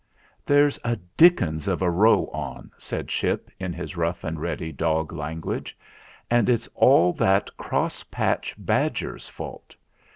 "There's a dickens of a row on," said Ship in his rough and ready dog language. "And it's all that cross patch badger's fault.